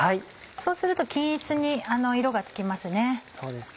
そうすると均一に色がつきますね。